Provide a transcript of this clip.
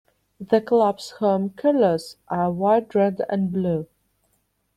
The club's home colours are white, red and blue.